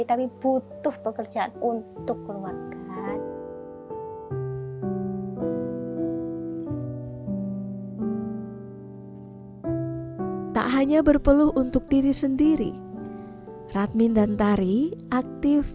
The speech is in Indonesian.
tapi butuh pekerjaan untuk keluarga tak hanya berpeluh untuk diri sendiri radmin dan tari aktif